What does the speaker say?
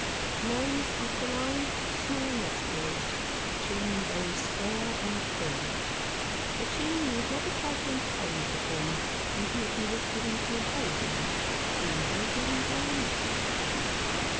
Nose aquiline, small nostrils, chin very square and firm — a chin you would never try to impose upon, even if you was given to imposing, which we Durfins iSS Mr. Faunces Record. are not.